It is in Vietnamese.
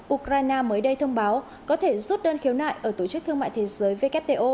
ukraine mới đây thông báo có thể rút đơn khiếu nại ở tổ chức thương mại thế giới wto